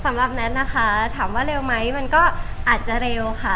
สำหรับแนนนะคะถามว่าเร็วไหมมันก็อาจจะเร็วค่ะ